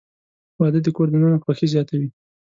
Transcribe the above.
• واده د کور دننه خوښي زیاتوي.